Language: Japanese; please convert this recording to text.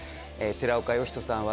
寺岡呼人さん